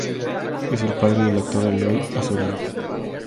Es el padre del actor Eloy Azorín.